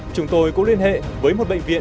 chúng tôi cũng liên hệ với một bệnh viện